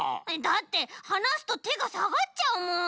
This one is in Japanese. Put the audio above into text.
だってはなすとてがさがっちゃうもん！